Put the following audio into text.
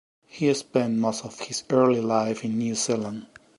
He spent most of his early life in New Zealand.